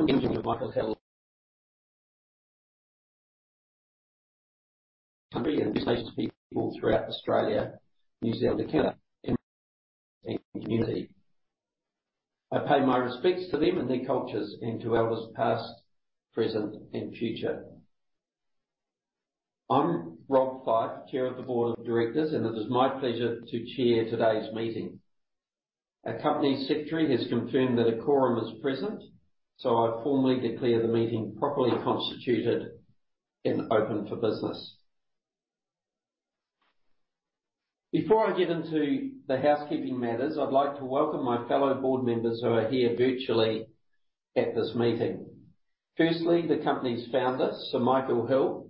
Welcome to Michael Hill, country and First Nations people throughout Australia, New Zealand, and community. I pay my respects to them and their cultures, and to elders past, present, and future. I'm Rob Fyfe, chair of the board of directors, and it is my pleasure to chair today's meeting. Our company secretary has confirmed that a quorum is present, so I formally declare the meeting properly constituted and open for business. Before I get into the housekeeping matters, I'd like to welcome my fellow board members who are here virtually at this meeting. Firstly, the company's founder, Sir Michael Hill;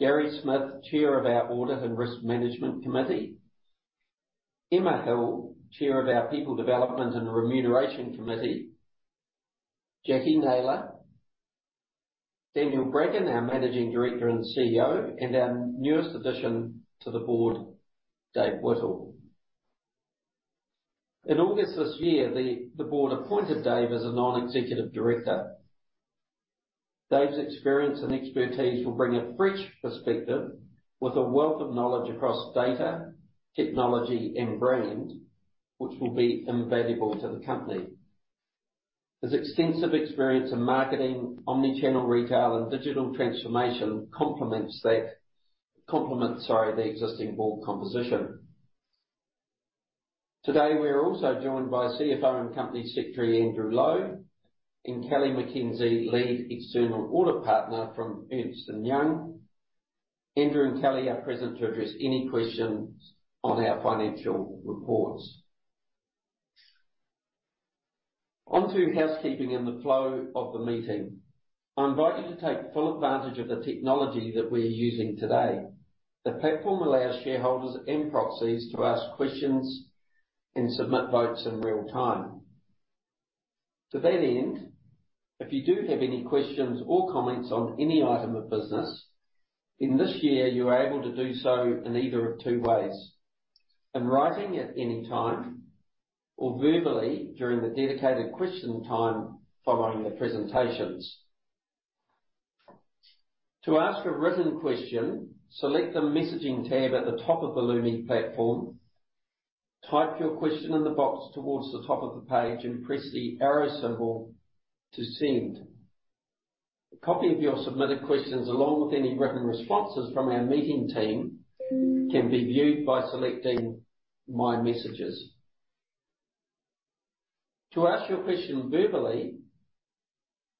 Gary Smith, chair of our Audit and Risk Management Committee; Emma Hill, chair of our People Development and Remuneration Committee; Jackie Naylor, Daniel Bracken, our Managing Director and CEO, and our newest addition to the board, Dave Whittle. In August this year, the board appointed Dave as a non-executive director. Dave's experience and expertise will bring a fresh perspective with a wealth of knowledge across data, technology, and brand, which will be invaluable to the company. His extensive experience in marketing, omni-channel retail, and digital transformation complements that complements, sorry, the existing board composition. Today, we are also joined by CFO and Company Secretary, Andrew Lowe, and Kelli McKenzie, lead external audit partner from Ernst & Young. Andrew and Kelli are present to address any questions on our financial reports. On to housekeeping and the flow of the meeting. I invite you to take full advantage of the technology that we are using today. The platform allows shareholders and proxies to ask questions and submit votes in real time. To that end, if you do have any questions or comments on any item of business, in this year, you are able to do so in either of two ways: in writing at any time, or verbally during the dedicated question time following the presentations. To ask a written question, select the Messaging tab at the top of the Lumi platform, type your question in the box towards the top of the page, and press the arrow symbol to send. A copy of your submitted questions, along with any written responses from our meeting team, can be viewed by selecting My Messages. To ask your question verbally,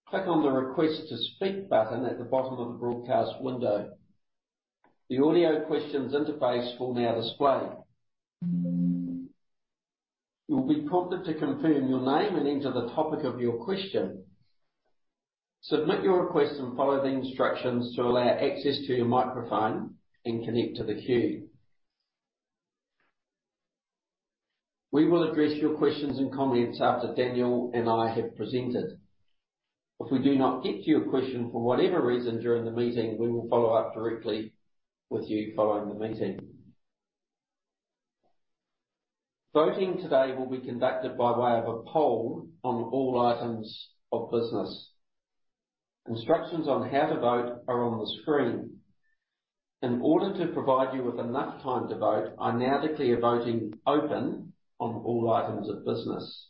click on the Request to Speak button at the bottom of the broadcast window. The audio questions interface will now display. You will be prompted to confirm your name and enter the topic of your question. Submit your request and follow the instructions to allow access to your microphone and connect to the queue. We will address your questions and comments after Daniel and I have presented. If we do not get to your question for whatever reason during the meeting, we will follow up directly with you following the meeting. Voting today will be conducted by way of a poll on all items of business. Instructions on how to vote are on the screen. In order to provide you with enough time to vote, I now declare voting open on all items of business.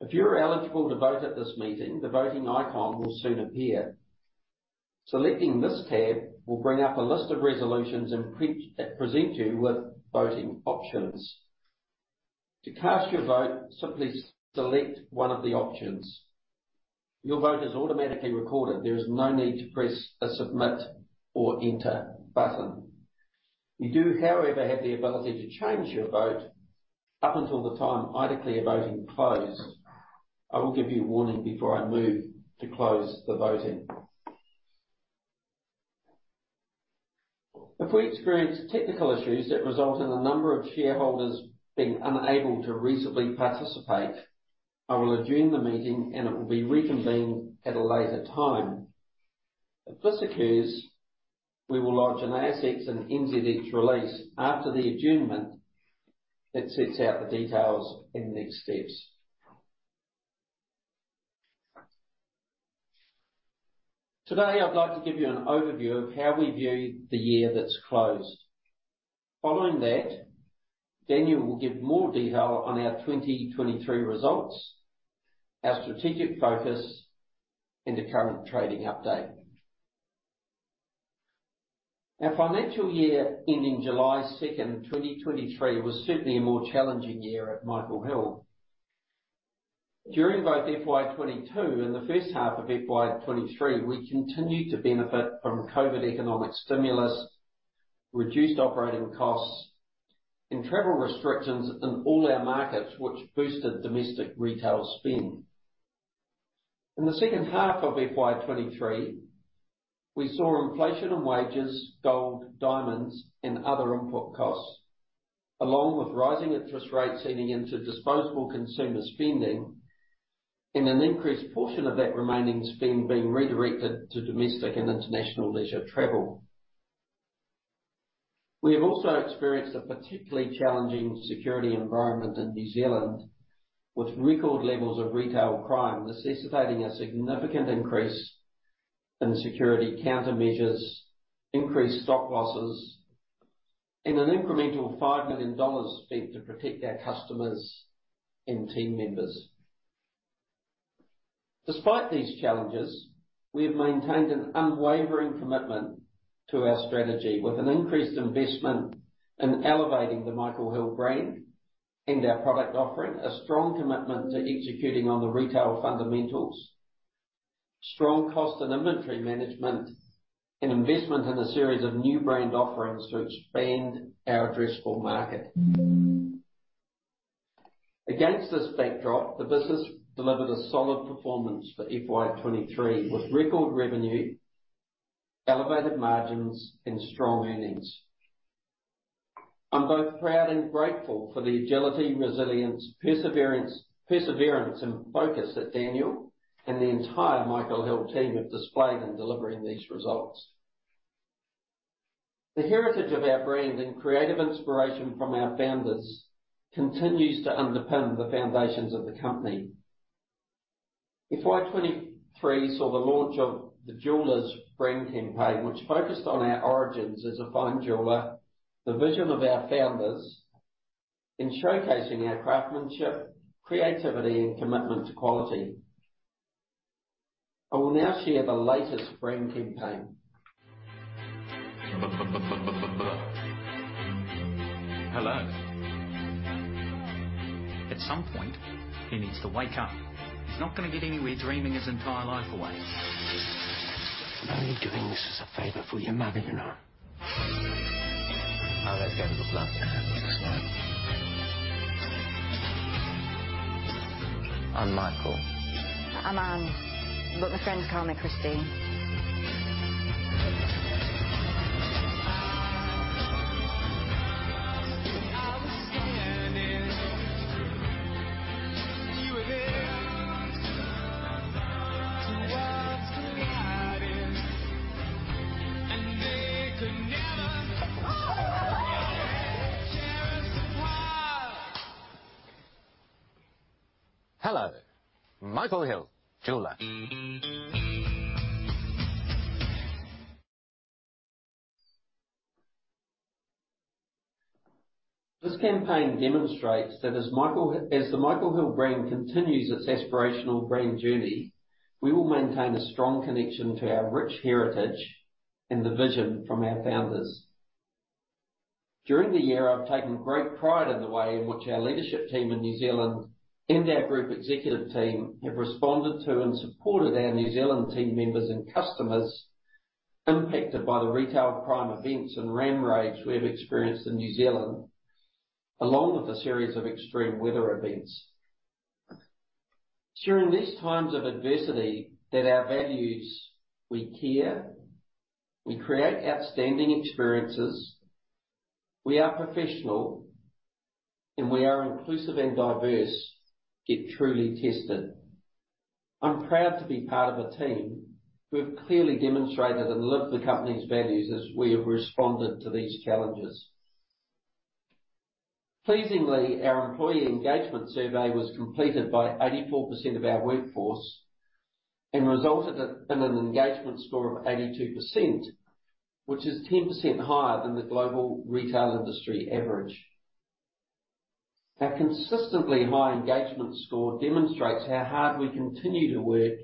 If you are eligible to vote at this meeting, the Voting icon will soon appear. Selecting this tab will bring up a list of resolutions and pre- and present you with voting options. To cast your vote, simply select one of the options. Your vote is automatically recorded. There is no need to press the Submit or Enter button. You do, however, have the ability to change your vote up until the time I declare voting closed. I will give you a warning before I move to close the voting. If we experience technical issues that result in a number of shareholders being unable to reasonably participate, I will adjourn the meeting, and it will be reconvened at a later time. If this occurs, we will lodge an ASX and NZX release after the adjournment that sets out the details and next steps. Today, I'd like to give you an overview of how we view the year that's closed. Following that, Daniel will give more detail on our 2023 results, our strategic focus, and the current trading update. Our financial year, ending July 2nd, 2023, was certainly a more challenging year at Michael Hill. During both FY2022 and the first half of FY2023, we continued to benefit from COVID economic stimulus, reduced operating costs, and travel restrictions in all our markets, which boosted domestic retail spend. In the second half of FY2023, we saw inflation in wages, gold, diamonds, and other input costs, along with rising interest rates eating into disposable consumer spending, and an increased portion of that remaining spend being redirected to domestic and international leisure travel. We have also experienced a particularly challenging security environment in New Zealand, with record levels of retail crime necessitating a significant increase in security countermeasures, increased stock losses and an incremental 5 million dollars spent to protect our customers and team members. Despite these challenges, we have maintained an unwavering commitment to our strategy with an increased investment in elevating the Michael Hill brand and our product offering, a strong commitment to executing on the retail fundamentals, strong cost and inventory management, and investment in a series of new brand offerings to expand our addressable market. Against this backdrop, the business delivered a solid performance for FY2023, with record revenue, elevated margins and strong earnings. I'm both proud and grateful for the agility, resilience, perseverance and focus that Daniel and the entire Michael Hill team have displayed in delivering these results. The heritage of our brand and creative inspiration from our founders continues to underpin the foundations of the company. FY2023 saw the launch of the Jeweller's brand campaign, which focused on our origins as a fine jeweler, the vision of our founders in showcasing our craftsmanship, creativity, and commitment to quality. I will now share the latest brand campaign. Hello. At some point, he needs to wake up. He's not going to get anywhere dreaming his entire life away. You're only doing this as a favor for your mother, you know? Oh, let's go to the blood this night. I'm Michael. I'm Anne, but my friends call me Christine. Hello, Michael Hill Jeweller. This campaign demonstrates that as the Michael Hill brand continues its aspirational brand journey, we will maintain a strong connection to our rich heritage and the vision from our founders. During the year, I've taken great pride in the way in which our leadership team in New Zealand and our group executive team have responded to and supported our New Zealand team members and customers impacted by the retail crime events and ram raids we have experienced in New Zealand, along with a series of extreme weather events. During these times of adversity, our values, we care, we create outstanding experiences, we are professional, and we are inclusive and diverse, get truly tested. I'm proud to be part of a team who have clearly demonstrated and lived the company's values as we have responded to these challenges. Pleasingly, our employee engagement survey was completed by 84% of our workforce and resulted in an engagement score of 82%, which is 10% higher than the global retail industry average. Our consistently high engagement score demonstrates how hard we continue to work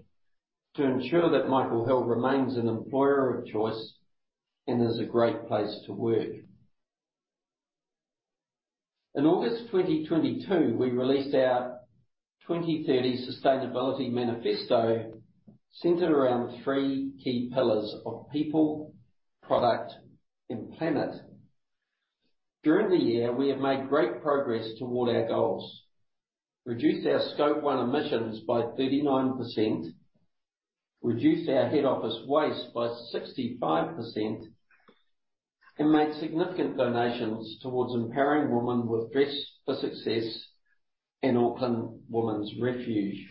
to ensure that Michael Hill remains an employer of choice and is a great place to work. In August 2022, we released our 2030 Sustainability Manifesto, centered around three key pillars of people, product, and planet. During the year, we have made great progress toward our goals: reduced our Scope 1 emissions by 39%, reduced our head office waste by 65%, and made significant donations towards empowering women with Dress for Success and Auckland Women's Refuge.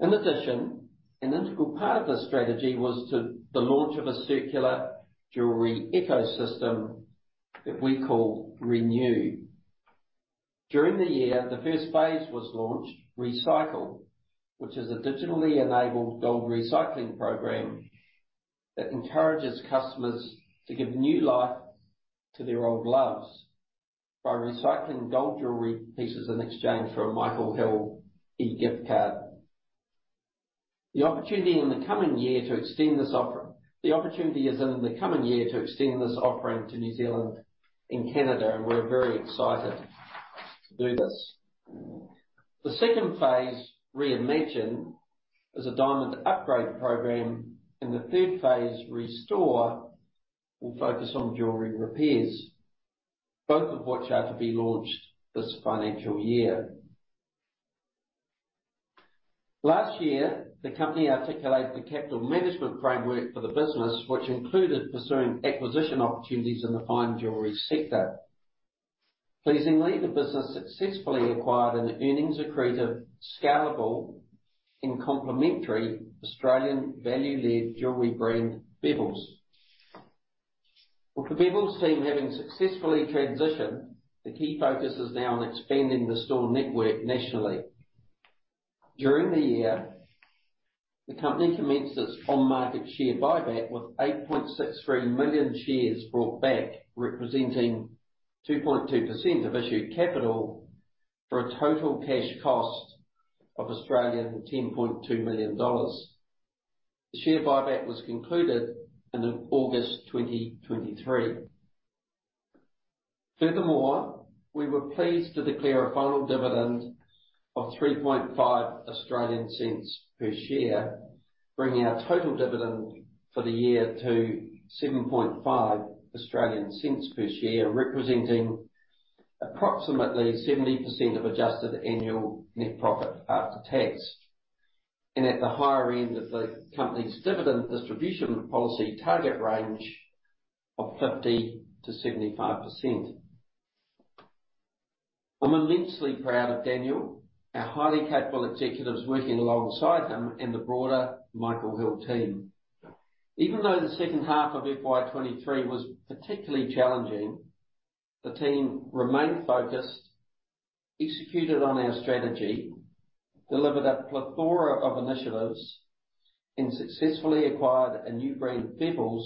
In addition, an integral part of the strategy was to the launch of a circular jewelry ecosystem that we call Renew. During the year, the first phase was launched, Recycle, which is a digitally enabled gold recycling program that encourages customers to give new life to their old loves by recycling gold jewelry pieces in exchange for a Michael Hill e-gift card. The opportunity is in the coming year to extend this offering to New Zealand and Canada, and we're very excited to do this. The second phase, Reimagine, is a diamond upgrade program, and the third phase, Restore, will focus on jewelry repairs, both of which are to be launched this financial year. Last year, the company articulated the capital management framework for the business, which included pursuing acquisition opportunities in the fine jewelry sector. Pleasingly, the business successfully acquired an earnings accretive, scalable, and complementary Australian value-led jewelry brand, Bevilles. With the Bevilles team having successfully transitioned, the key focus is now on expanding the store network nationally. During the year, the company commenced its on-market share buyback, with 8.63 million shares brought back, representing 2.2% of issued capital, for a total cash cost of 10.2 million dollars. The share buyback was concluded in August 2023. Furthermore, we were pleased to declare a final dividend of 0.035 per share, bringing our total dividend for the year to 0.075 per share, representing approximately 70% of adjusted annual net profit after tax, and at the higher end of the company's dividend distribution policy target range of 50%-75%. I'm immensely proud of Daniel, our highly capable executives working alongside him, and the broader Michael Hill team. Even though the second half of FY2023 was particularly challenging, the team remained focused, executed on our strategy, delivered a plethora of initiatives, and successfully acquired a new brand, Bevilles,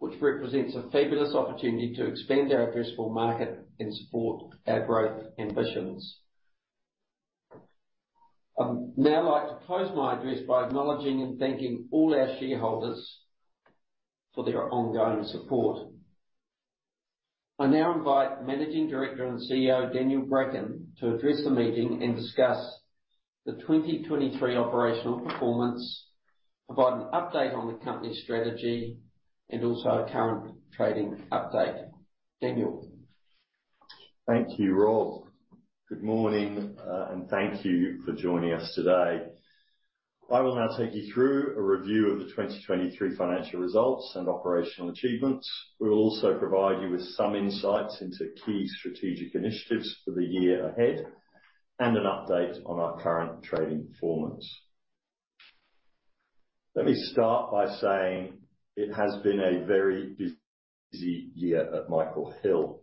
which represents a fabulous opportunity to expand our addressable market and support our growth ambitions. I'd now like to close my address by acknowledging and thanking all our shareholders for their ongoing support. I now invite Managing Director and CEO, Daniel Bracken, to address the meeting and discuss the 2023 operational performance, provide an update on the company's strategy, and also a current trading update. Daniel? Thank you, Rob. Good morning, and thank you for joining us today. I will now take you through a review of the 2023 financial results and operational achievements. We'll also provide you with some insights into key strategic initiatives for the year ahead, and an update on our current trading performance. Let me start by saying, it has been a very busy year at Michael Hill.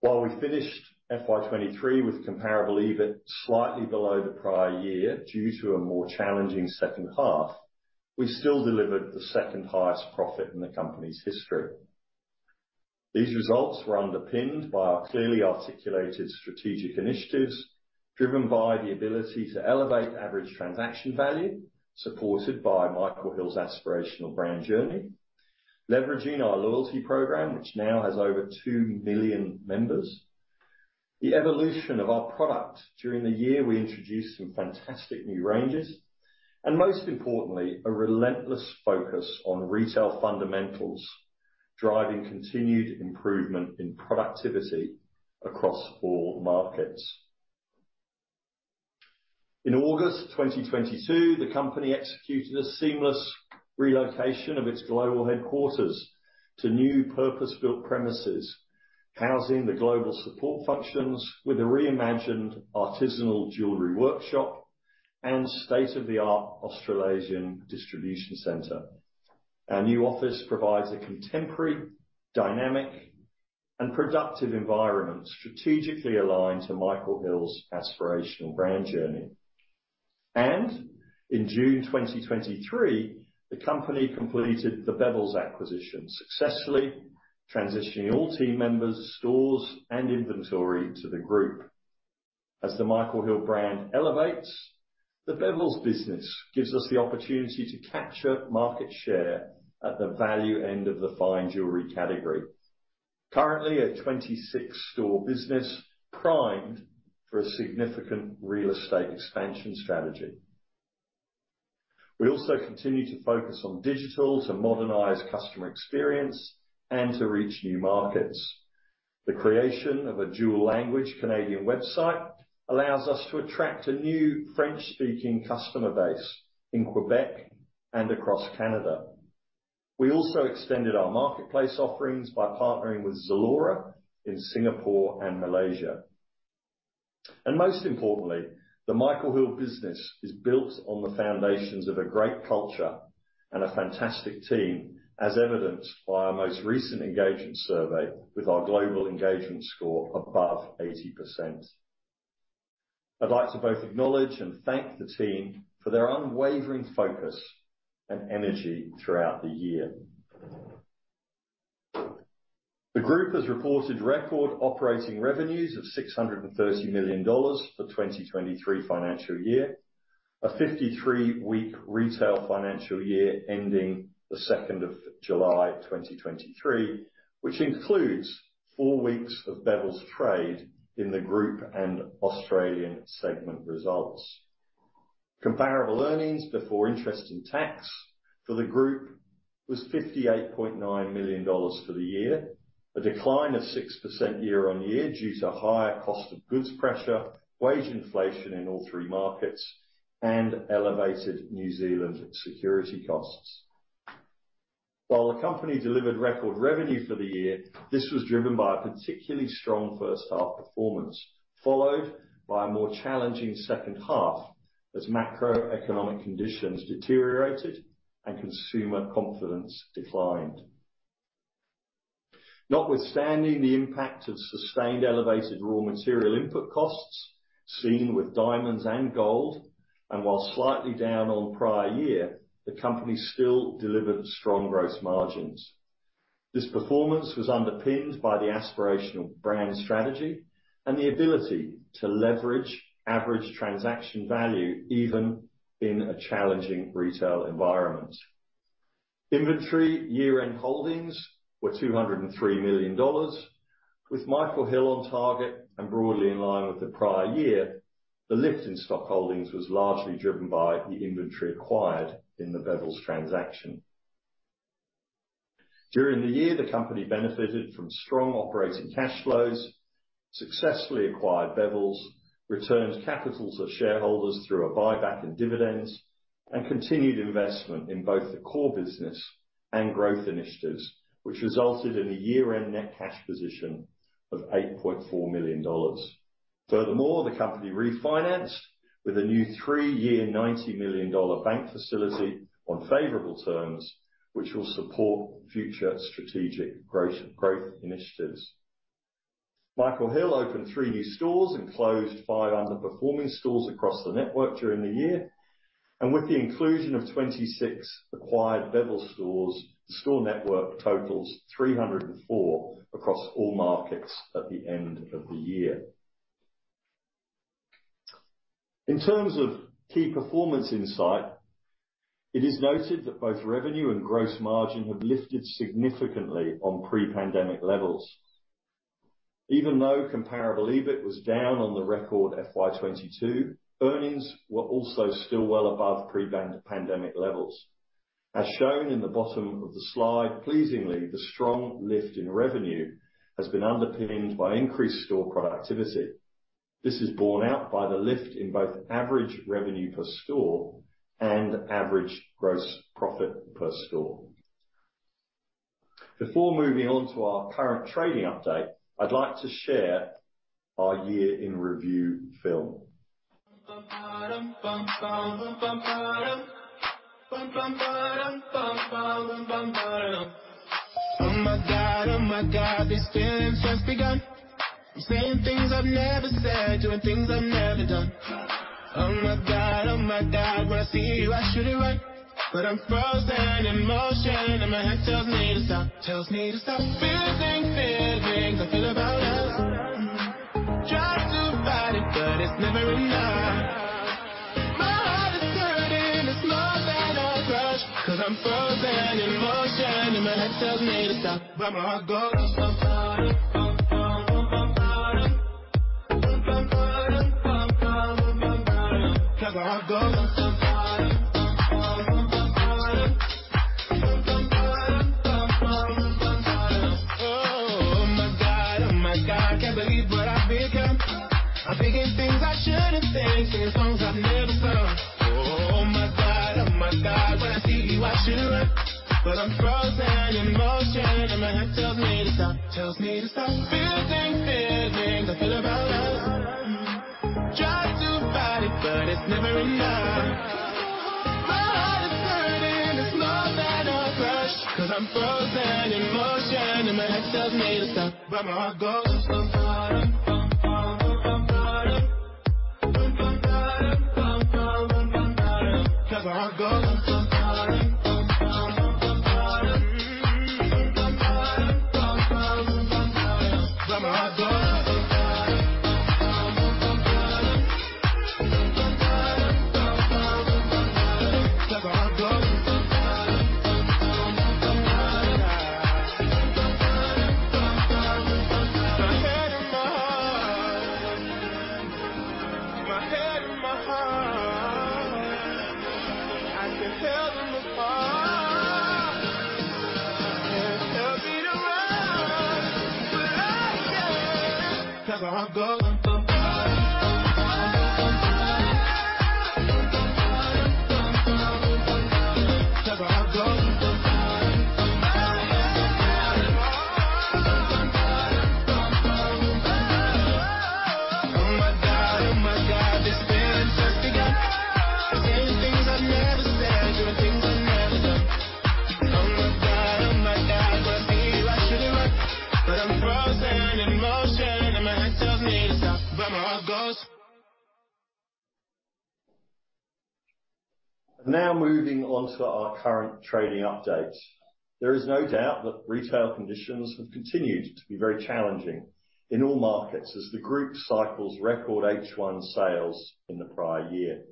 While we finished FY2023 with comparable EBIT slightly below the prior year, due to a more challenging second half, we still delivered the second highest profit in the company's history. These results were underpinned by our clearly articulated strategic initiatives, driven by the ability to elevate average transaction value, supported by Michael Hill's aspirational brand journey, leveraging our loyalty program, which now has over 2 million members, the evolution of our product. During the year, we introduced some fantastic new ranges, and most importantly, a relentless focus on retail fundamentals, driving continued improvement in productivity across all markets. In August 2022, the company executed a seamless relocation of its global headquarters to new purpose-built premises, housing the global support functions with a reimagined artisanal jewelry workshop, and state-of-the-art Australasian distribution center. Our new office provides a contemporary, dynamic, and productive environment, strategically aligned to Michael Hill's aspirational brand journey. In June 2023, the company completed the Bevilles acquisition, successfully transitioning all team members, stores, and inventory to the group. As the Michael Hill brand elevates, the Bevilles business gives us the opportunity to capture market share at the value end of the fine jewelry category. Currently, a 26-store business, primed for a significant real estate expansion strategy. We also continue to focus on digital, to modernize customer experience, and to reach new markets. The creation of a dual language Canadian website allows us to attract a new French-speaking customer base in Quebec and across Canada. We also extended our marketplace offerings by partnering with Zalora in Singapore and Malaysia. And most importantly, the Michael Hill business is built on the foundations of a great culture and a fantastic team, as evidenced by our most recent engagement survey, with our global engagement score above 80%. I'd like to both acknowledge and thank the team for their unwavering focus and energy throughout the year. The group has reported record operating revenues of 630 million dollars for 2023 financial year, a 53-week retail financial year ending 2nd July 2023, which includes 4 weeks of Bevilles trade in the group and Australian segment results. Comparable earnings before interest and tax for the group was 58.9 million dollars for the year, a decline of 6% year-on-year, due to higher cost of goods pressure, wage inflation in all three markets, and elevated New Zealand security costs. While the company delivered record revenue for the year, this was driven by a particularly strong first half performance, followed by a more challenging second half, as macroeconomic conditions deteriorated and consumer confidence declined. Notwithstanding the impact of sustained elevated raw material input costs seen with diamonds and gold, and while slightly down on prior year, the company still delivered strong growth margins. This performance was underpinned by the aspirational brand strategy and the ability to leverage average transaction value even in a challenging retail environment. Inventory year-end holdings were 203 million dollars, with Michael Hill on target and broadly in line with the prior year. The lift in stock holdings was largely driven by the inventory acquired in the Bevilles transaction. During the year, the company benefited from strong operating cash flows, successfully acquired Bevilles, returned capitals of shareholders through a buyback in dividends, and continued investment in both the core business and growth initiatives, which resulted in a year-end net cash position of 8.4 million dollars. Furthermore, the company refinanced with a new three-year, 90 million dollar bank facility on favorable terms, which will support future strategic growth, growth initiatives. Michael Hill opened 3 new stores and closed 5 underperforming stores across the network during the year, and with the inclusion of 26 acquired Bevilles stores, the store network totals 304 across all markets at the end of the year. In terms of key performance insight, it is noted that both revenue and gross margin have lifted significantly on pre-pandemic levels. Even though comparable EBIT was down on the record FY2022, earnings were also still well above pre-pandemic levels. As shown in the bottom of the slide, pleasingly, the strong lift in revenue has been underpinned by increased store productivity. This is borne out by the lift in both average revenue per store and average gross profit per store. Before moving on to our current trading update, I'd like to share our year-in-review film. Now moving on to our current trading update. There is no doubt that retail conditions have continued to be very challenging in all markets as the group cycles record H1 sales in the prior year.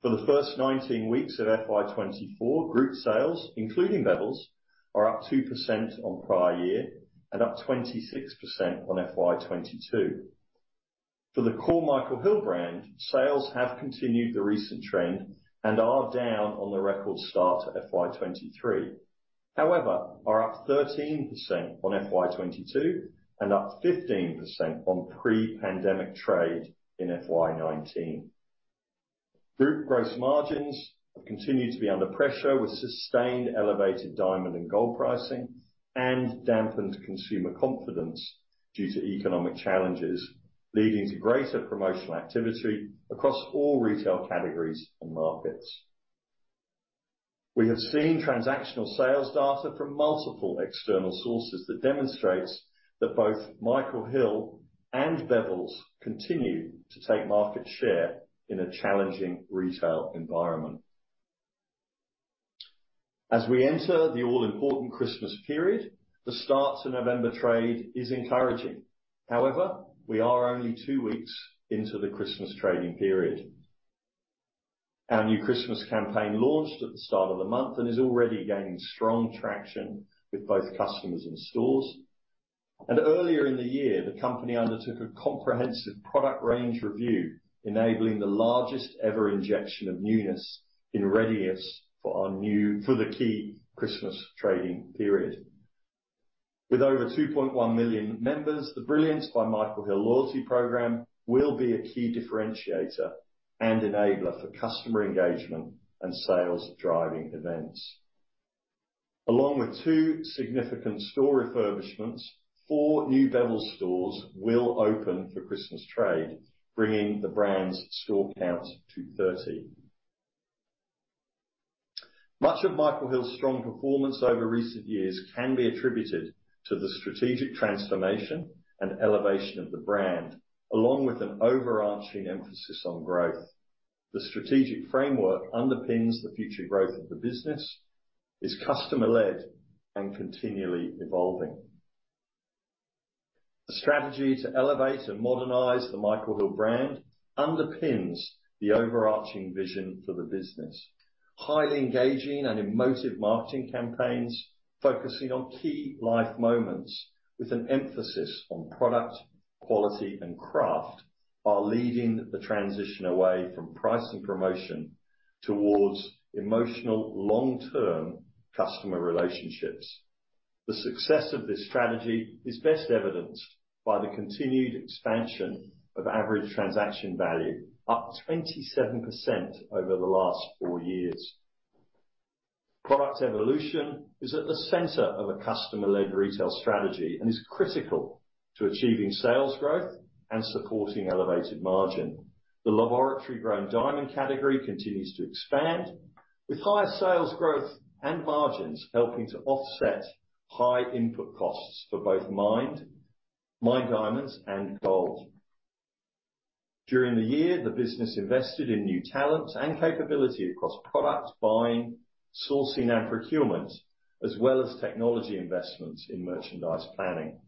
For the first 19 weeks of FY2024, group sales, including Bevilles, are up 2% on prior year and up 26% on FY2022. For the core Michael Hill brand, sales have continued the recent trend and are down on the record start to FY2023. However, are up 13% on FY2022 and up 15% on pre-pandemic trade in FY2019. Group gross margins have continued to be under pressure, with sustained elevated diamond and gold pricing and dampened consumer confidence due to economic challenges, leading to greater promotional activity across all retail categories and markets. We have seen transactional sales data from multiple external sources that demonstrates that both Michael Hill and Bevilles continue to take market share in a challenging retail environment. As we enter the all-important Christmas period, the start to November trade is encouraging. However, we are only two weeks into the Christmas trading period. Our new Christmas campaign launched at the start of the month and is already gaining strong traction with both customers and stores. Earlier in the year, the company undertook a comprehensive product range review, enabling the largest ever injection of newness in readiness for the key Christmas trading period. With over 2.1 million members, the Brilliance by Michael Hill loyalty program will be a key differentiator and enabler for customer engagement and sales-driving events. Along with 2 significant store refurbishments, 4 new Bevilles stores will open for Christmas trade, bringing the brand's store count to 30. Much of Michael Hill's strong performance over recent years can be attributed to the strategic transformation and elevation of the brand, along with an overarching emphasis on growth. The strategic framework underpins the future growth of the business, is customer-led, and continually evolving. The strategy to elevate and modernize the Michael Hill brand underpins the overarching vision for the business. Highly engaging and emotive marketing campaigns, focusing on key life moments with an emphasis on product, quality, and craft, are leading the transition away from price and promotion towards emotional, long-term customer relationships. The success of this strategy is best evidenced by the continued expansion of average transaction value, up 27% over the last 4 years. Product evolution is at the center of a customer-led retail strategy and is critical to achieving sales growth and supporting elevated margin. The laboratory-grown diamond category continues to expand, with higher sales growth and margins helping to offset high input costs for both mined, mined diamonds and gold. During the year, the business invested in new talent and capability across product buying, sourcing, and procurement, as well as technology investments in merchandise planning.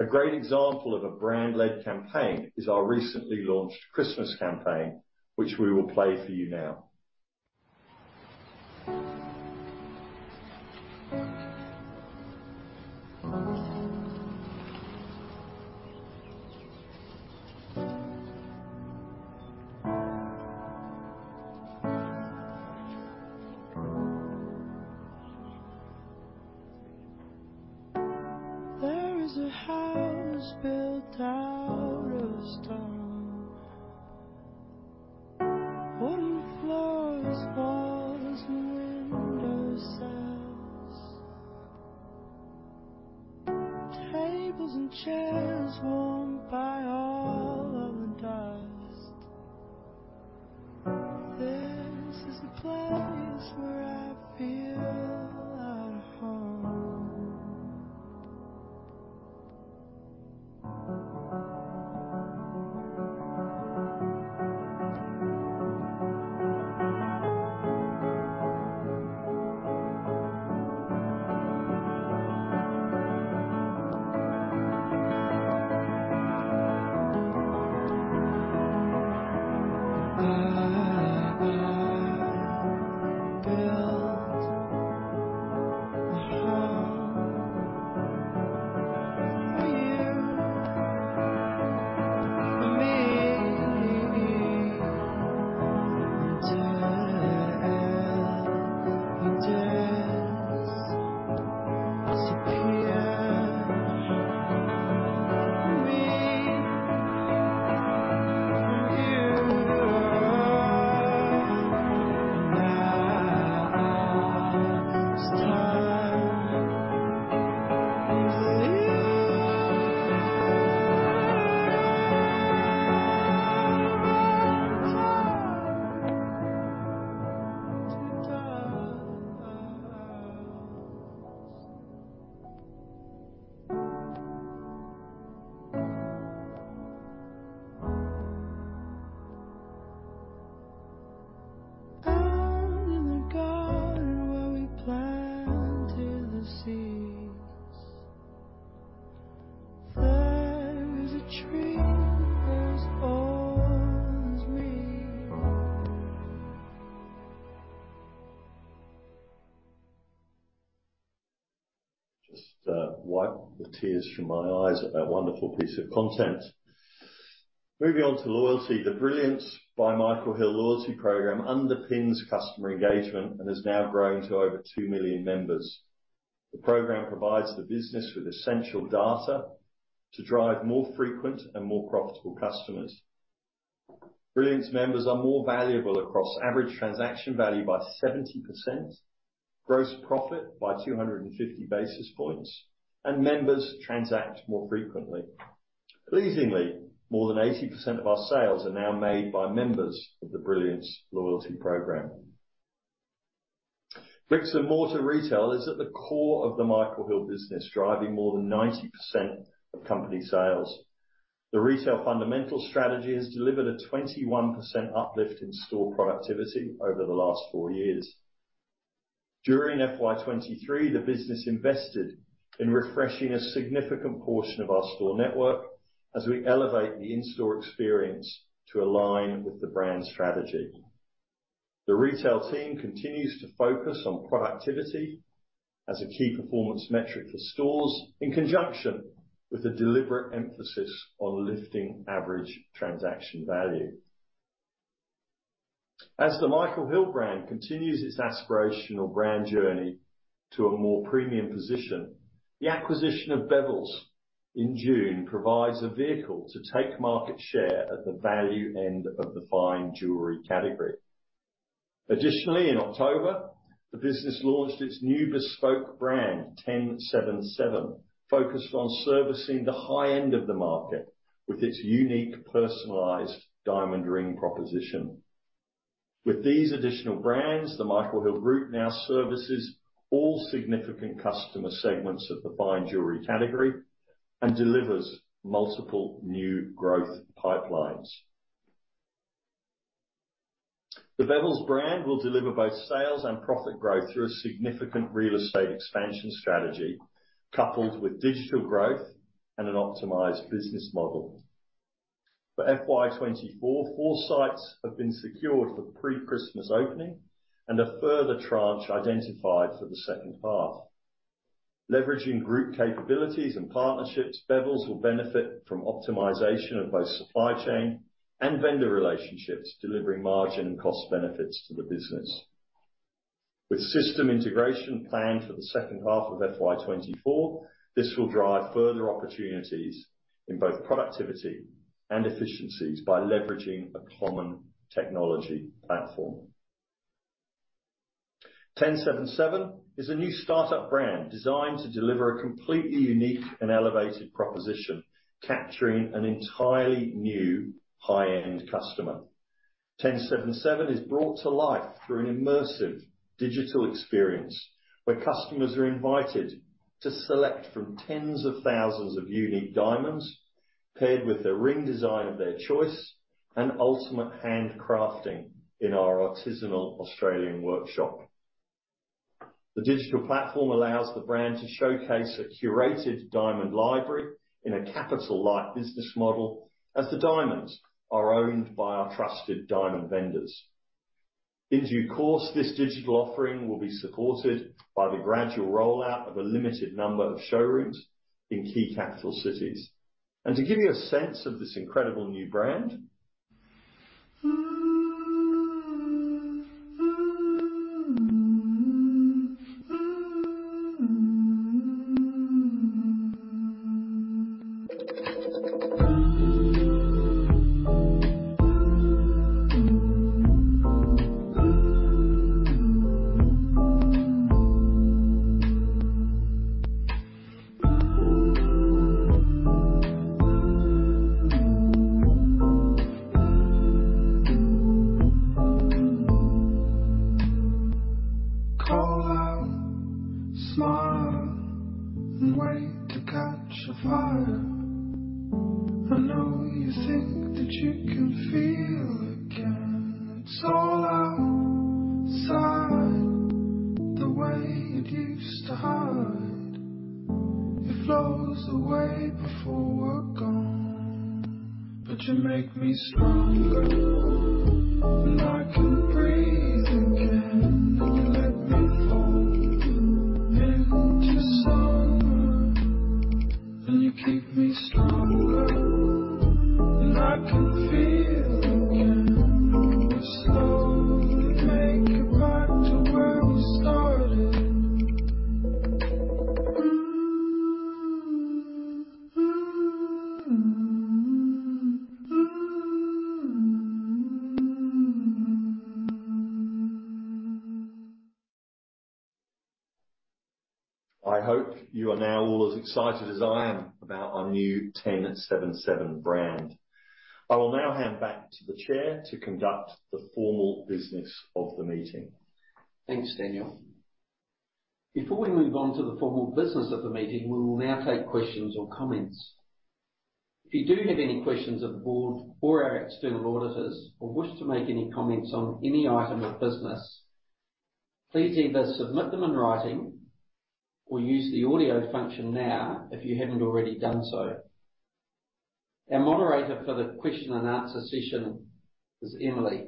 A great example of a brand-led campaign is our recently launched Christmas campaign, which we will play for you now. There is a house built out of stone. Wooden floors, walls, and window sills. Tables and chairs worn by all of the dust. This is the place where I feel at home. I built a home for you and me, and it, it is a piece of me for you. Now it's time to leave our haunted old house. Out in the garden where we planted the seeds, there is a tree that was always me. Just, wipe the tears from my eyes at that wonderful piece of content. Moving on to loyalty. The Brilliance by Michael Hill loyalty program underpins customer engagement and has now grown to over 2 million members. The program provides the business with essential data to drive more frequent and more profitable customers. Brilliance members are more valuable across average transaction value by 70%, gross profit by 250 basis points, and members transact more frequently. Pleasingly, more than 80% of our sales are now made by members of the Brilliance loyalty program. Bricks-and-mortar retail is at the core of the Michael Hill business, driving more than 90% of company sales. The retail fundamental strategy has delivered a 21% uplift in store productivity over the last 4 years. During FY2023, the business invested in refreshing a significant portion of our store network as we elevate the in-store experience to align with the brand strategy. The retail team continues to focus on productivity as a key performance metric for stores, in conjunction with a deliberate emphasis on lifting average transaction value. As the Michael Hill brand continues its aspirational brand journey to a more premium position, the acquisition of Bevilles in June provides a vehicle to take market share at the value end of the fine jewelry category. Additionally, in October, the business launched its new bespoke brand, TenSevenSeven, focused on servicing the high end of the market with its unique, personalized diamond ring proposition. With these additional brands, the Michael Hill Group now services all significant customer segments of the fine jewelry category and delivers multiple new growth pipelines. The Bevilles brand will deliver both sales and profit growth through a significant real estate expansion strategy, coupled with digital growth and an optimized business model. For FY2024, 4 sites have been secured for pre-Christmas opening and a further tranche identified for the second half. Leveraging group capabilities and partnerships, Bevilles will benefit from optimization of both supply chain and vendor relationships, delivering margin and cost benefits to the business. With system integration planned for the second half of FY2024, this will drive further opportunities in both productivity and efficiencies by leveraging a common technology platform. TenSevenSeven is a new startup brand designed to deliver a completely unique and elevated proposition, capturing an entirely new high-end customer. TenSevenSeven is brought to life through an immersive digital experience, where customers are invited to select from tens of thousands of unique diamonds, paired with the ring design of their choice and ultimate handcrafting in our artisanal Australian workshop. The digital platform allows the brand to showcase a curated diamond library in a capital-light business model, as the diamonds are owned by our trusted diamond vendors. In due course, this digital offering will be supported by the gradual rollout of a limited number of showrooms in key capital cities. And to give you a sense of this incredible new brand. Call out, smile, and wait to catch a fire. I know you think that you can feel again. It's all outside, the way it used to hide. It flows away before we're gone. But you make me stronger, and I can breathe again. You let me fall into summer. And you keep me stronger, and I can feel again. We're slowly making back to where we started. I hope you are now all as excited as I am about our new TenSevenSeven brand. I will now hand back to the chair to conduct the formal business of the meeting. Thanks, Daniel. Before we move on to the formal business of the meeting, we will now take questions or comments. If you do have any questions of the board or our external auditors, or wish to make any comments on any item of business, please either submit them in writing or use the audio function now, if you haven't already done so. Our moderator for the question-and-answer session is Emily.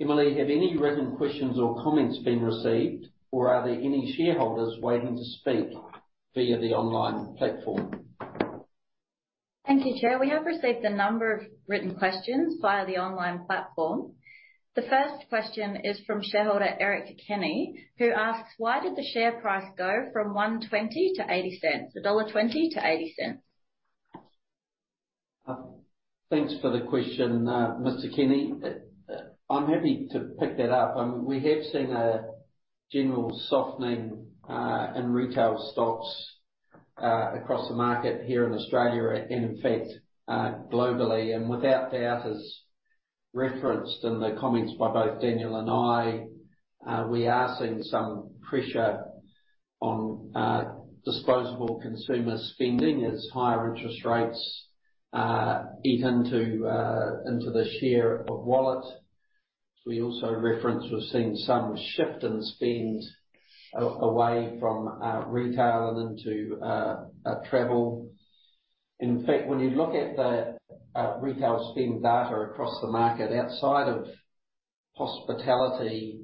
Emily, have any written questions or comments been received, or are there any shareholders waiting to speak via the online platform? Thank you, Chair. We have received a number of written questions via the online platform. The first question is from shareholder Eric Kenny, who asks, "Why did the share price go from $1.20 to $0.80? A $1.20 to $0.80? Thanks for the question, Mr. Kenny. I'm happy to pick that up. We have seen a general softening in retail stocks across the market here in Australia and, in fact, globally. And without doubt, as referenced in the comments by both Daniel and I, we are seeing some pressure on disposable consumer spending as higher interest rates eat into the share of wallet. We also referenced we're seeing some shift in spend away from retail and into travel. In fact, when you look at the retail spend data across the market, outside of hospitality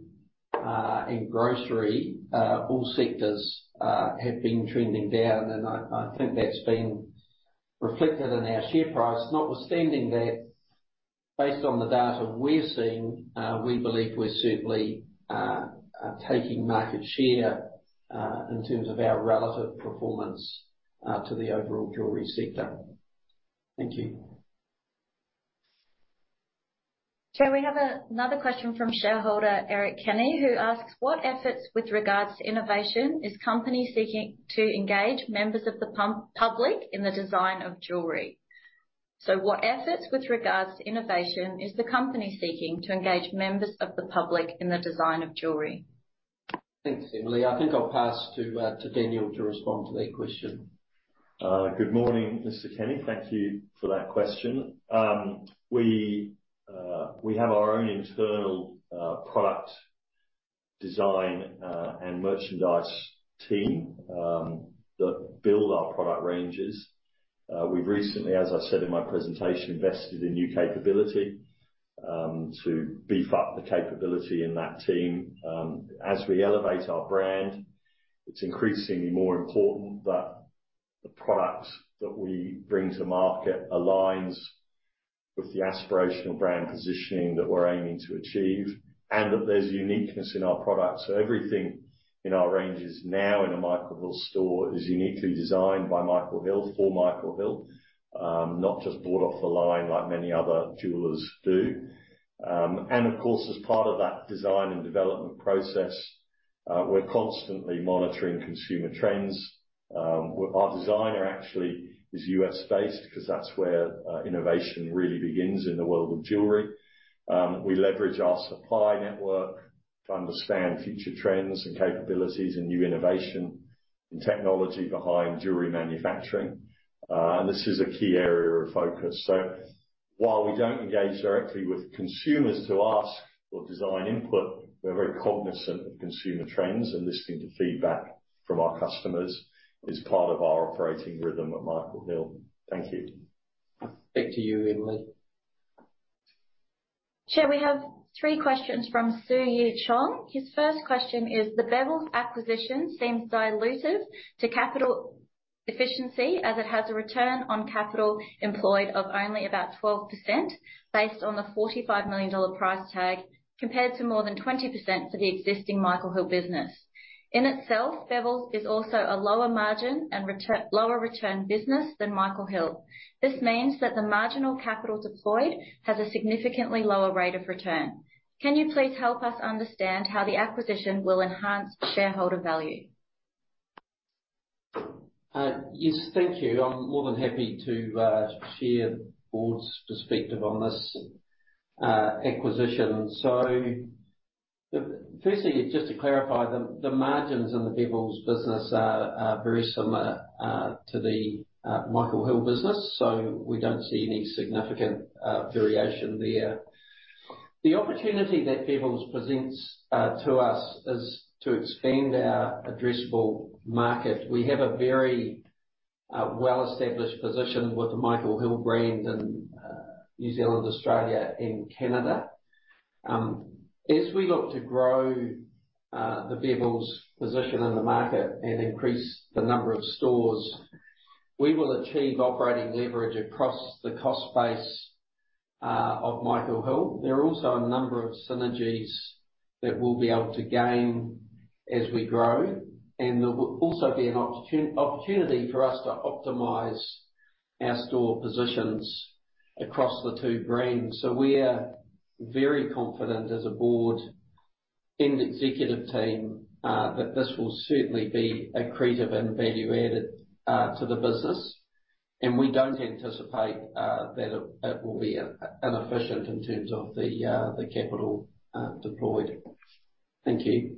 and grocery, all sectors have been trending down, and I think that's been reflected in our share price. Notwithstanding that, based on the data we're seeing, we believe we're certainly taking market share in terms of our relative performance to the overall jewelry sector. Thank you. Chair, we have another question from shareholder Eric Kenny, who asks, "What efforts with regards to innovation is the company seeking to engage members of the public in the design of jewelry?" So, "What efforts with regards to innovation is the company seeking to engage members of the public in the design of jewelry? Thanks, Emily. I think I'll pass to, to Daniel to respond to that question. Good morning, Mr. Kenny. Thank you for that question. We have our own internal product design and merchandise team that build our product ranges. We've recently, as I said in my presentation, invested in new capability to beef up the capability in that team. As we elevate our brand, it's increasingly more important that the products that we bring to market aligns with the aspirational brand positioning that we're aiming to achieve, and that there's uniqueness in our products. So everything in our ranges now in a Michael Hill store is uniquely designed by Michael Hill for Michael Hill, not just bought off the line like many other jewelers do. And of course, as part of that design and development process, we're constantly monitoring consumer trends. Our designer actually is U.S.-based, because that's where innovation really begins in the world of jewelry. We leverage our supply network to understand future trends and capabilities and new innovation and technology behind jewelry manufacturing. This is a key area of focus. So while we don't engage directly with consumers to ask for design input, we're very cognizant of consumer trends, and listening to feedback from our customers is part of our operating rhythm at Michael Hill. Thank you. Back to you, Emily. Chair, we have three questions from Su Yee Chong. His first question is: The Bevilles acquisition seems dilutive to capital efficiency, as it has a return on capital employed of only about 12%, based on the 45 million dollar price tag, compared to more than 20% for the existing Michael Hill business. In itself, Bevilles is also a lower margin and lower return business than Michael Hill. This means that the marginal capital deployed has a significantly lower rate of return. Can you please help us understand how the acquisition will enhance shareholder value? Yes, thank you. I'm more than happy to share the board's perspective on this acquisition. So firstly, just to clarify, the margins in the Bevilles business are very similar to the Michael Hill business, so we don't see any significant variation there. The opportunity that Bevilles presents to us is to expand our addressable market. We have a very well-established position with the Michael Hill brand in New Zealand, Australia, and Canada. As we look to grow the Bevilles position in the market and increase the number of stores, we will achieve operating leverage across the cost base of Michael Hill. There are also a number of synergies that we'll be able to gain as we grow, and there will also be an opportunity for us to optimize our store positions across the two brands. So we are very confident as a board and executive team that this will certainly be accretive and value added to the business. We don't anticipate that it will be inefficient in terms of the capital deployed. Thank you.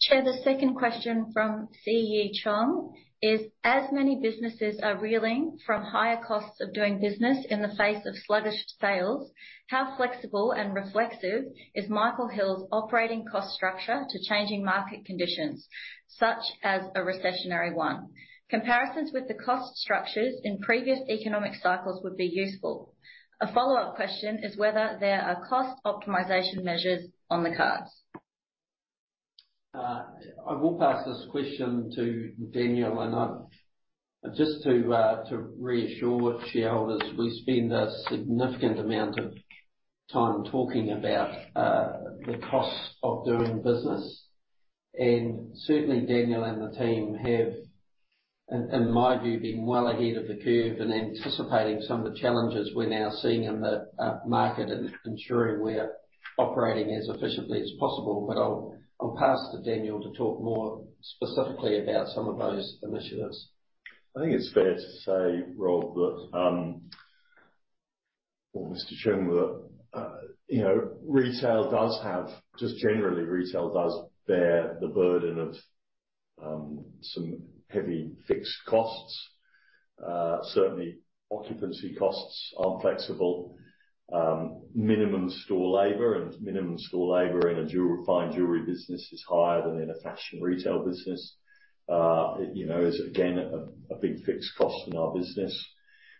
Chair, the second question from Su Yee Chong is, as many businesses are reeling from higher costs of doing business in the face of sluggish sales, how flexible and reflexive is Michael Hill's operating cost structure to changing market conditions, such as a recessionary one? Comparisons with the cost structures in previous economic cycles would be useful. A follow-up question is whether there are cost optimization measures on the cards? I will pass this question to Daniel, and just to reassure shareholders, we spend a significant amount of time talking about the costs of doing business. And certainly, Daniel and the team have, in my view, been well ahead of the curve in anticipating some of the challenges we're now seeing in the market and ensuring we are operating as efficiently as possible. But I'll pass to Daniel to talk more specifically about some of those initiatives. I think it's fair to say, Rob, or Mr. Chong, that you know, retail does have just generally, retail does bear the burden of some heavy fixed costs. Certainly, occupancy costs aren't flexible. Minimum store labor, and minimum store labor in a fine jewelry business is higher than in a fashion retail business. You know, is again a big fixed cost in our business.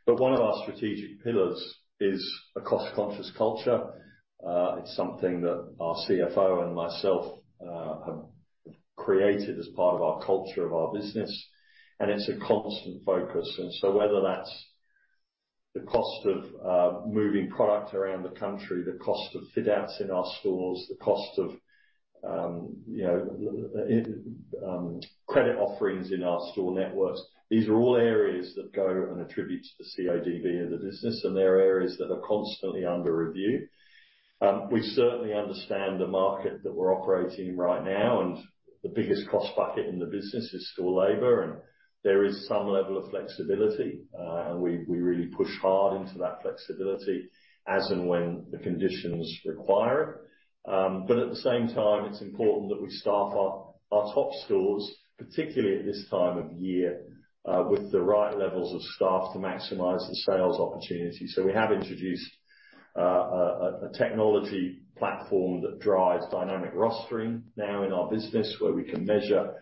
But one of our strategic pillars is a cost-conscious culture. It's something that our CFO and myself have created as part of our culture of our business, and it's a constant focus. Whether that's the cost of moving product around the country, the cost of fit outs in our stores, the cost of you know credit offerings in our store networks, these are all areas that go and attribute to the ATV of the business, and they're areas that are constantly under review. We certainly understand the market that we're operating in right now, and the biggest cost bucket in the business is store labor, and there is some level of flexibility, and we really push hard into that flexibility as and when the conditions require it. But at the same time, it's important that we staff our top stores, particularly at this time of year, with the right levels of staff to maximize the sales opportunity. So we have introduced a technology platform that drives dynamic rostering now in our business, where we can measure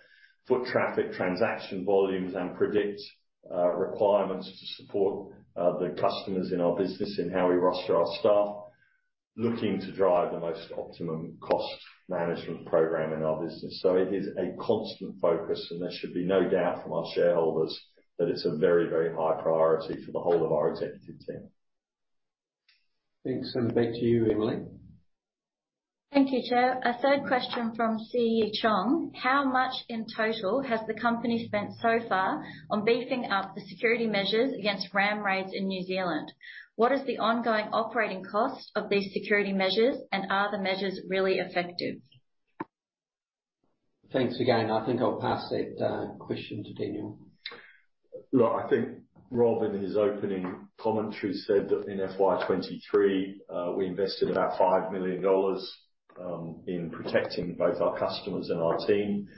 foot traffic, transaction volumes, and predict requirements to support the customers in our business and how we roster our staff, looking to drive the most optimum cost management program in our business. So it is a constant focus, and there should be no doubt from our shareholders that it's a very, very high priority for the whole of our executive team. Thanks, and back to you, Emily. Thank you, Chair. A third question from Su Yee Chong, how much in total has the company spent so far on beefing up the security measures against ram raids in New Zealand? What is the ongoing operating cost of these security measures, and are the measures really effective? Thanks again. I think I'll pass that question to Daniel. Look, I think Rob, in his opening commentary, said that in FY2023, we invested about 5 million dollars in protecting both our customers and our team.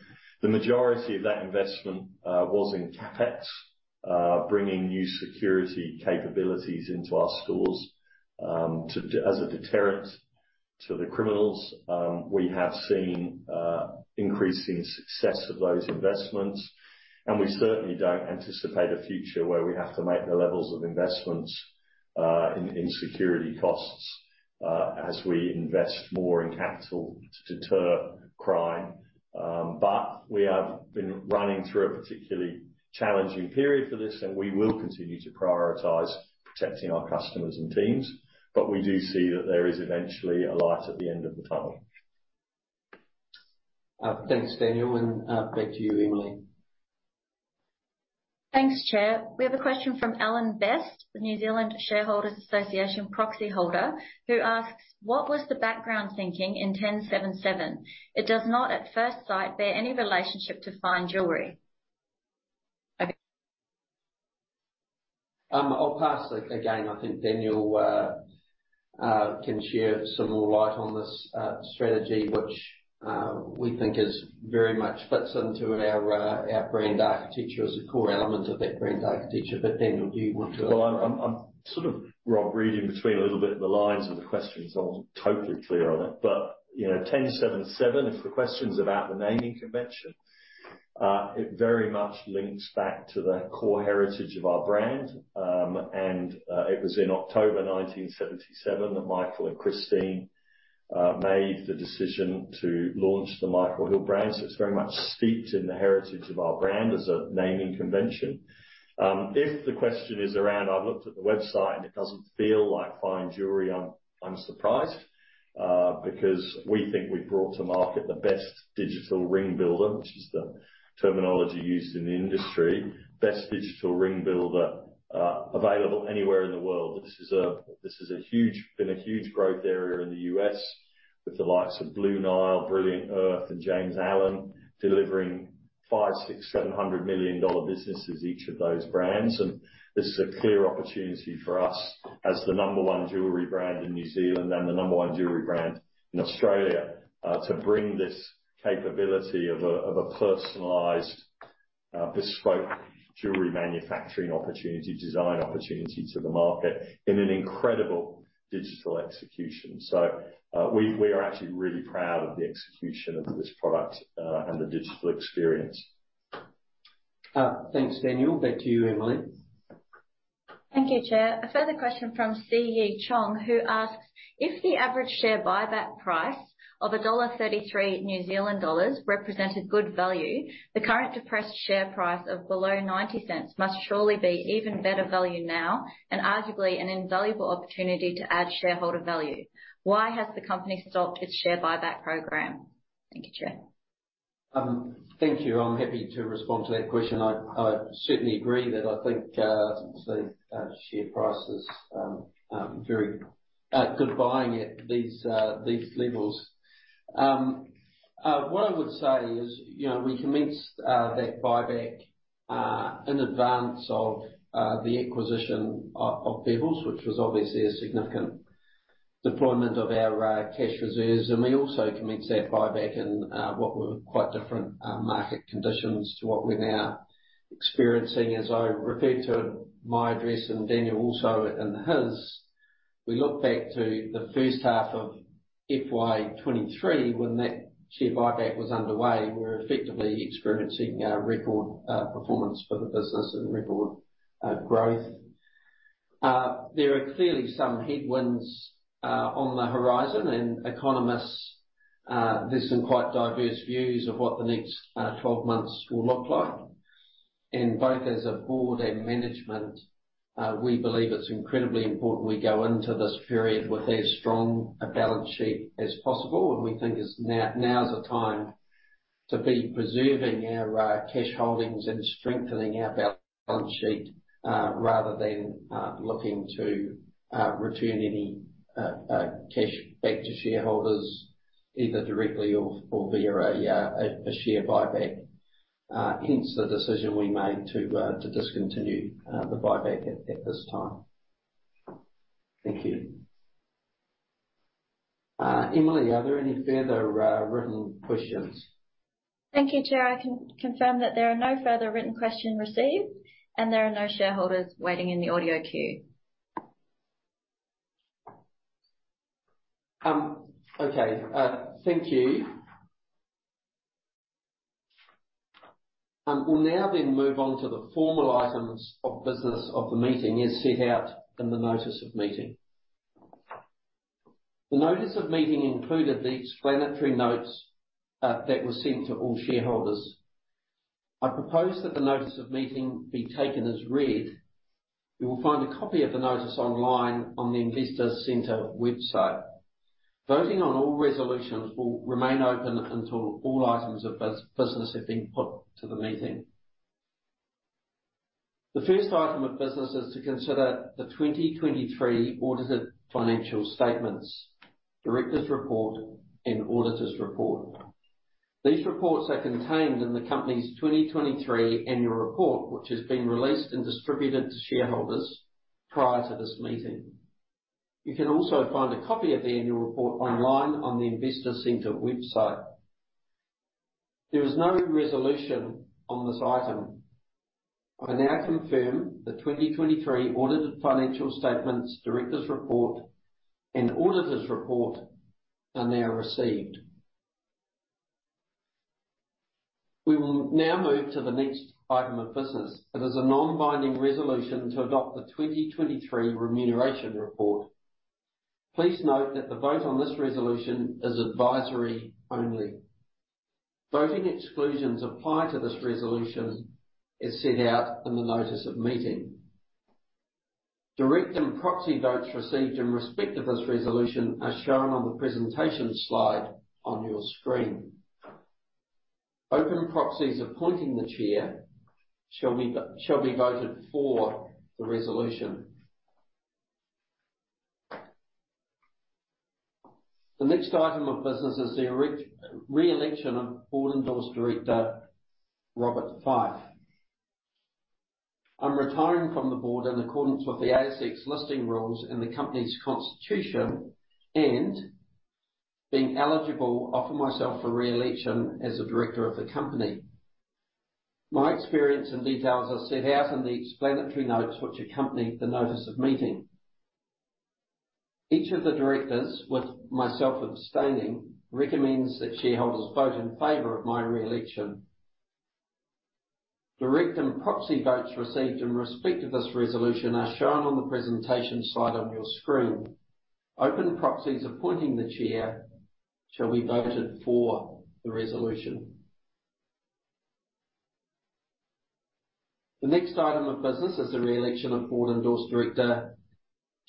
The majority of that investment was in CapEx, bringing new security capabilities into our stores to as a deterrent to the criminals. We have seen increasing success of those investments, and we certainly don't anticipate a future where we have to make the levels of investments in security costs as we invest more in capital to deter crime. But we have been running through a particularly challenging period for this, and we will continue to prioritize protecting our customers and teams, but we do see that there is eventually a light at the end of the tunnel. Thanks, Daniel, and back to you, Emily. Thanks, Chair. We have a question from Alan Best, the New Zealand Shareholders Association proxy holder, who asks: What was the background thinking in TenSevenSeven I'll pass that. Again, I think Daniel can shed some more light on this strategy, which we think is very much fits into our our brand architecture as a core element of that brand architecture. But, Daniel, do you want to. Well, I'm sort of, Rob, reading between a little bit of the lines of the question, so I'm not totally clear on it. But, you know, TenSevenSeven, if the question's about the naming convention, it very much links back to the core heritage of our brand. And, it was in October 1977 that Michael and Christine made the decision to launch the Michael Hill brand. So it's very much steeped in the heritage of our brand as a naming convention. If the question is around, "I've looked at the website, and it doesn't feel like fine jewelry," I'm surprised, because we think we've brought to market the best digital ring builder, which is the terminology used in the industry. Best digital ring builder available anywhere in the world. This has been a huge growth area in the U.S., with the likes of Blue Nile, Brilliant Earth and James Allen delivering $500 million-$700 million businesses, each of those brands. This is a clear opportunity for us, as the number one jewelry brand in New Zealand and the number one jewelry brand in Australia, to bring this capability of a personalized, bespoke jewelry manufacturing opportunity, design opportunity, to the market in an incredible digital execution. So, we are actually really proud of the execution of this product, and the digital experience. Thanks, Daniel. Back to you, Emily. Thank you, Chair. A further question from Su Yee Chong, who asks, f the average share buyback price of 1.33 New Zealand dollars represented good value, the current depressed share price of below 0.90 must surely be even better value now and arguably an invaluable opportunity to add shareholder value. Why has the company stopped its share buyback program? Thank you, Chair. Thank you. I'm happy to respond to that question. I certainly agree that I think the share price is very good buying at these levels. What I would say is, you know, we commenced that buyback in advance of the acquisition of Bevilles, which was obviously a significant deployment of our cash reserves. And we also commenced that buyback in what were quite different market conditions to what we're now experiencing. As I referred to in my address, and Daniel also in his, we look back to the first half of FY2023, when that share buyback was underway. We were effectively experiencing record performance for the business and record growth. There are clearly some headwinds on the horizon, and economists, there's some quite diverse views of what the next 12 months will look like. And both as a board and management, we believe it's incredibly important we go into this period with as strong a balance sheet as possible. And we think it's now- now is the time to be preserving our cash holdings and strengthening our balance sheet, rather than looking to return any cash back to shareholders, either directly or via a share buyback. Hence the decision we made to discontinue the buyback at this time. Thank you. Emily, are there any further written questions? Thank you, Chair. I confirm that there are no further written questions received, and there are no shareholders waiting in the audio queue. Okay. Thank you. We'll now then move on to the formal items of business of the meeting, as set out in the Notice of Meeting. The Notice of Meeting included the explanatory notes that were sent to all shareholders. I propose that the Notice of Meeting be taken as read. You will find a copy of the notice online on the Investor Centre website. Voting on all resolutions will remain open until all items of business have been put to the meeting. The first item of business is to consider the 2023 audited financial statements, directors' report, and auditors' report. These reports are contained in the company's 2023 annual report, which has been released and distributed to shareholders prior to this meeting. You can also find a copy of the annual report online on the Investor Centre website. There is no resolution on this item. I now confirm the 2023 audited financial statements, directors' report, and auditors' report are now received. We will now move to the next item of business. It is a non-binding resolution to adopt the 2023 remuneration report. Please note that the vote on this resolution is advisory only. Voting exclusions apply to this resolution, as set out in the Notice of Meeting. Direct and proxy votes received in respect of this resolution are shown on the presentation slide on your screen. Open proxies appointing the chair shall be voted for the resolution. The next item of business is the re-election of board endorsed director, Robert Fyfe. I'm retiring from the board in accordance with the ASX Listing Rules and the company's constitution, and being eligible, offer myself for re-election as a director of the company. My experience and details are set out in the explanatory notes, which accompany the Notice of Meeting. Dave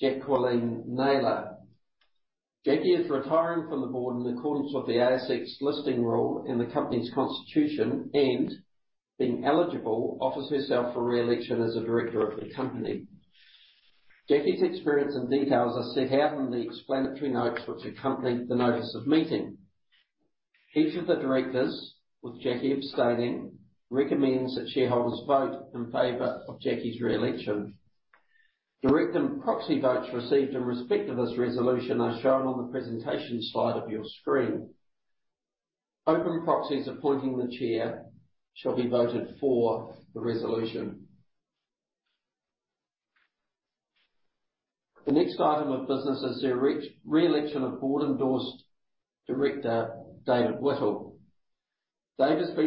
Whittle. Dave's been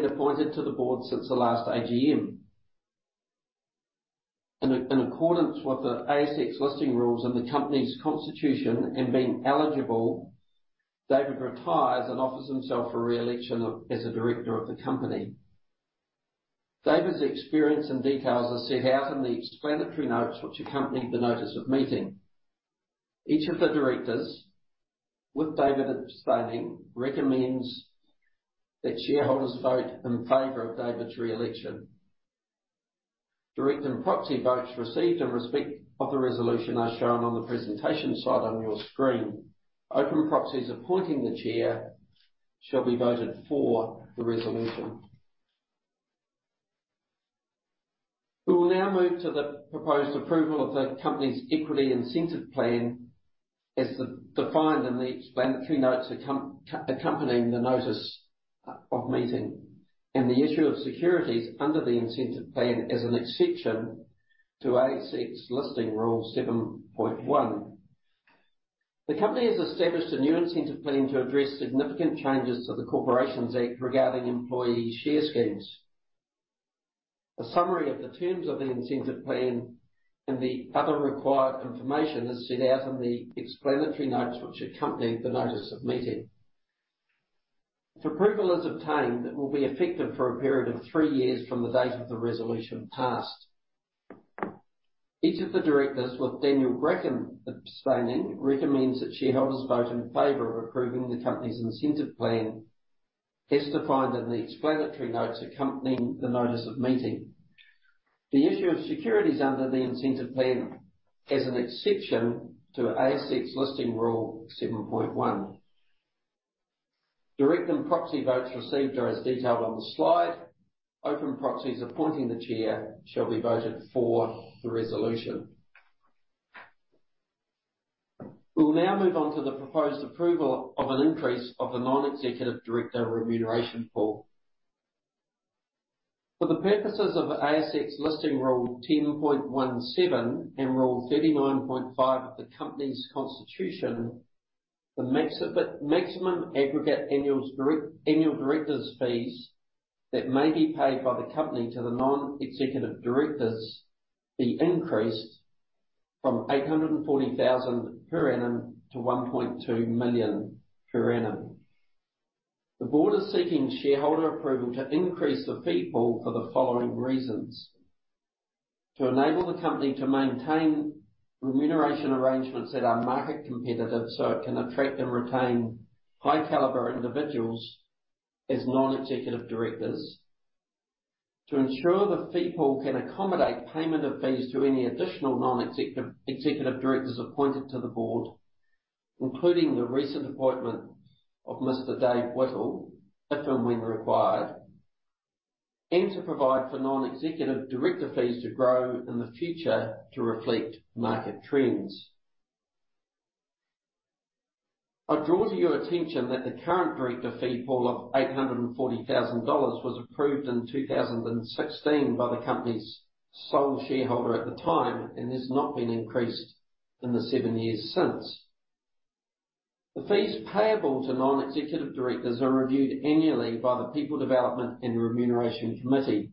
appointed to the board since the last AGM. In accordance with the ASX Listing Rules and the company's constitution, and being eligible, Dave retires and offers himself for re-election as a director of the company. Dave's experience and details are set out in the explanatory notes which accompany the Notice of Meeting. Each of the directors, with Dave abstaining, recommends that shareholders vote in favor of Dave's re-election. Director and proxy votes received in respect of the resolution are shown on the presentation slide on your screen. Open proxies appointing the chair shall be voted for the resolution. We will now move to the proposed approval of the company's Equity Incentive Plan, as defined in the explanatory notes accompanying the Notice of Meeting, and the issue of securities under the incentive plan as an exception to ASX Listing Rule 7.1. The company has established a new incentive plan to address significant changes to the Corporations Act regarding employee share schemes. A summary of the terms of the incentive plan and the other required information is set out in the explanatory notes, which accompany the Notice of Meeting. If approval is obtained, it will be effective for a period of three years from the date of the resolution passed. Each of the directors, with Daniel Bracken abstaining, recommends that shareholders vote in favor of approving the company's incentive plan, as defined in the explanatory notes accompanying the Notice of Meeting. The issue of securities under the incentive plan, as an exception to ASX Listing Rule 7.1. Director and proxy votes received are as detailed on the slide. Open proxies appointing the chair shall be voted for the resolution. We'll now move on to the proposed approval of an increase of the non-executive director remuneration pool. For the purposes of ASX Listing Rule 10.17 and Rule 39.5 of the company's constitution, the maximum aggregate annual directors' fees that may be paid by the company to the non-executive directors be increased from 840,000 per annum to 1.2 million per annum. The board is seeking shareholder approval to increase the fee pool for the following reasons: To enable the company to maintain remuneration arrangements that are market competitive, so it can attract and retain high caliber individuals as non-executive directors. To ensure the fee pool can accommodate payment of fees to any additional non-executive, executive directors appointed to the board, including the recent appointment of Mr. Dave Whittle, if and when required. To provide for non-executive director fees to grow in the future to reflect market trends. I draw to your attention that the current director fee pool of 840,000 dollars was approved in 2016 by the company's sole shareholder at the time, and has not been increased in the seven years since. The fees payable to non-executive directors are reviewed annually by the People Development and Remuneration Committee.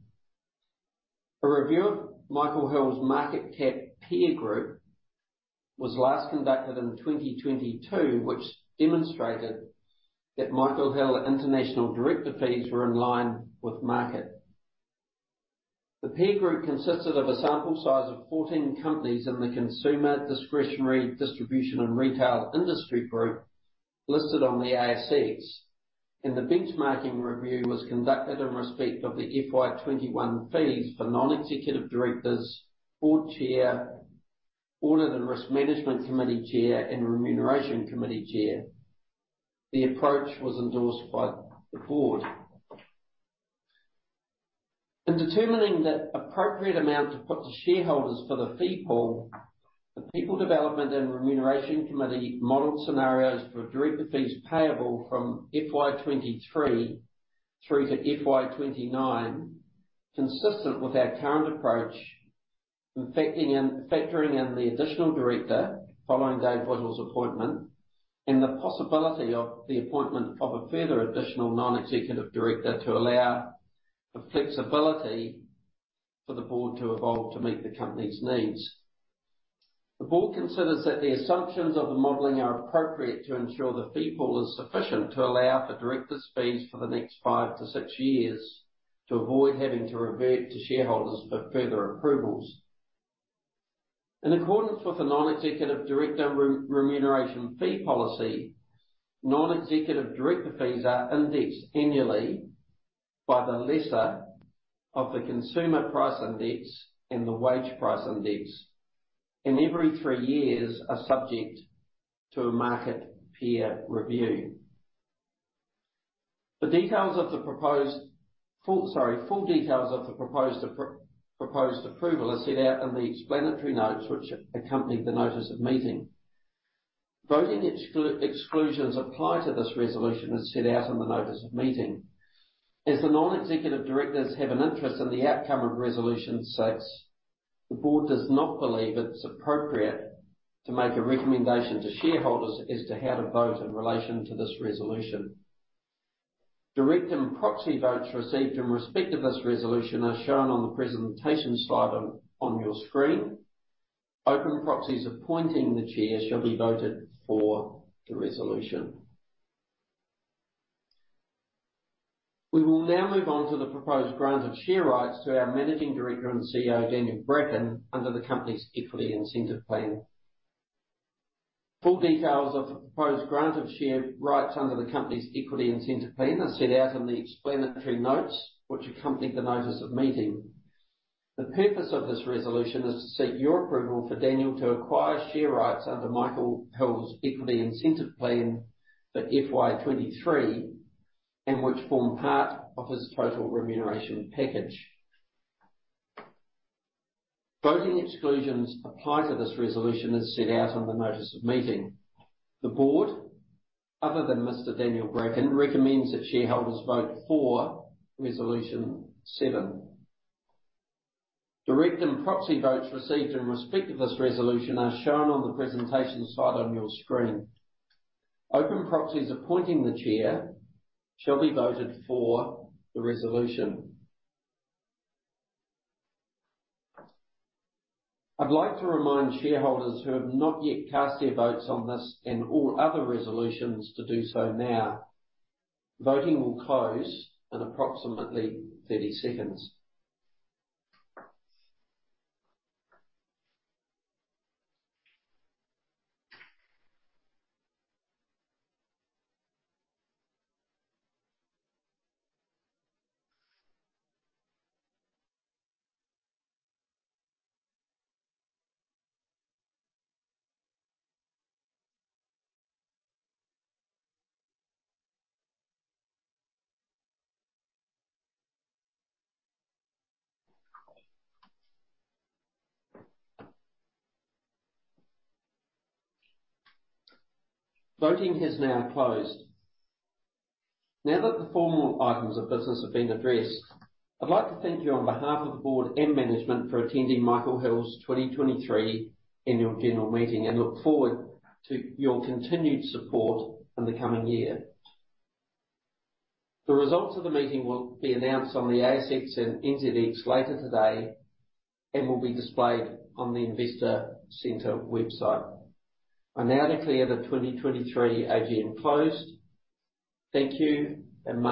A review of Michael Hill's market cap peer group was last conducted in 2022, which demonstrated that Michael Hill International director fees were in line with market. The peer group consisted of a sample size of 14 companies in the consumer discretionary, distribution, and retail industry group listed on the ASX. The benchmarking review was conducted in respect of the FY2021 fees for non-executive directors, board chair, Audit and Risk Management Committee chair, and Remuneration Committee chair. The approach was endorsed by the board. In determining the appropriate amount to put to shareholders for the fee pool, the People Development and Remuneration Committee modeled scenarios for director fees payable from FY2023 through to FY2029, consistent with our current approach, and factoring in the additional director following Dave Whittle's appointment, and the possibility of the appointment of a further additional non-executive director to allow the flexibility for the board to evolve to meet the company's needs. The board considers that the assumptions of the modeling are appropriate to ensure the fee pool is sufficient to allow for directors' fees for the next 5-6 years, to avoid having to revert to shareholders for further approvals. In accordance with the non-executive director remuneration fee policy, non-executive director fees are indexed annually by the lesser of the Consumer Price Index and the Wage Price Index, and every three years are subject to a market peer review. The full details of the proposed approval are set out in the explanatory notes, which accompany the Notice of Meeting. Voting exclusions apply to this resolution, as set out in the Notice of Meeting. As the non-executive directors have an interest in the outcome of Resolution Six, the board does not believe it's appropriate to make a recommendation to shareholders as to how to vote in relation to this resolution. Direct and proxy votes received in respect of this resolution are shown on the presentation slide on your screen. Open proxies appointing the chair shall be voted for the resolution. We will now move on to the proposed grant of share rights to our Managing Director and CEO, Daniel Bracken, under the company's Equity Incentive Plan. Full details of the proposed grant of share rights under the company's Equity Incentive Plan are set out in the explanatory notes, which accompany the Notice of Meeting. The purpose of this resolution is to seek your approval for Daniel to acquire share rights under Michael Hill's Equity Incentive Plan for FY2023, and which form part of his total remuneration package. Voting exclusions apply to this resolution, as set out in the Notice of Meeting. The board, other than Mr. Daniel Bracken, recommends that shareholders vote for Resolution Seven. Direct and proxy votes received in respect of this resolution are shown on the presentation slide on your screen. Open proxies appointing the chair shall be voted for the resolution. I'd like to remind shareholders who have not yet cast their votes on this, and all other resolutions, to do so now. Voting will close in approximately 30 seconds. Voting has now closed. Now that the formal items of business have been addressed, I'd like to thank you on behalf of the board and management for attending Michael Hill's 2023 Annual General Meeting, and look forward to your continued support in the coming year. The results of the meeting will be announced on the ASX and NZX later today, and will be displayed on the Investor Centre website. I now declare the 2023 AGM closed. Thank you and may-